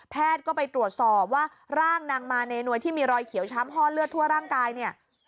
ก็ไปตรวจสอบว่าร่างนางมาเนนวยที่มีรอยเขียวช้ำห้อเลือดทั่วร่างกายเนี่ย